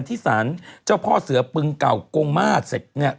ที่ศาลเจ้าพ่อเสือปึงเก่าโกงม่าเนี่ย